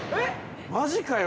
マジかよ。